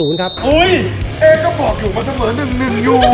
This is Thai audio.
เองก็บอกถึงมันเสมอ๑๑อยู่